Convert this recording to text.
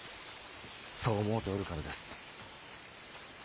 そう思うておるからです。